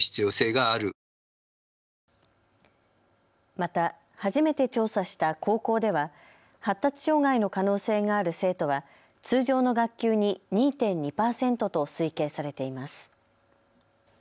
また初めて調査した高校では発達障害の可能性がある生徒は通常の学級に２．２％と推計されています。